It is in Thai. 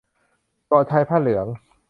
เกาะชายผ้าเหลือง